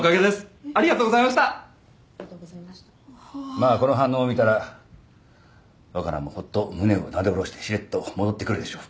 まあこの反応を見たら若菜もほっと胸をなで下ろしてしれっと戻ってくるでしょう。